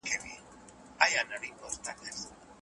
نن په ښار کې بیروبار تر پرون کم دی.